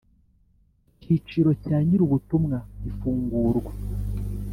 Icyiciro cya Nyir ubutumwa ifungurwa